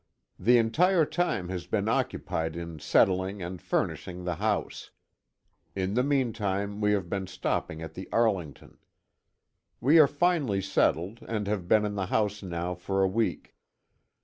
The entire time has been occupied in settling and furnishing the house. In the meantime we have been stopping at the Arlington. We are finally settled, and have been in the house now for a week.